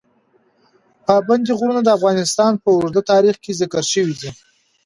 پابندی غرونه د افغانستان په اوږده تاریخ کې ذکر شوی دی.